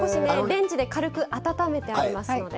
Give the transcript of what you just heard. レンジで軽く温めてありますので。